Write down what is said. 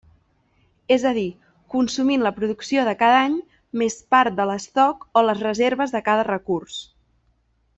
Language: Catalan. És a dir, consumint la producció de cada any més part de l'estoc o les reserves de cada recurs.